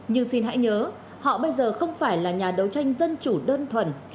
nhưng xin hãy nhớ họ bây giờ không phải là nhà đấu tranh dân chủ đơn thuần